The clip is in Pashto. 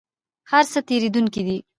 هر څه تیریدونکي دي